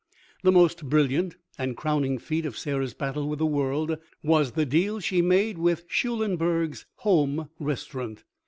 The most brilliant and crowning feat of Sarah's battle with the world was the deal she made with Schulenberg's Home Restaurant.